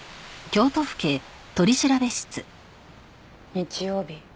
日曜日